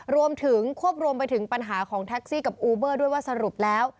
รวมถึงควบรวมไปถึงปัญหาของแท็กซี่กับอูเบอร์ด้วยว่าสรุปแล้ว